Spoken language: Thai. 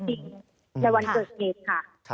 ในวันเกิดเหตุค่ะ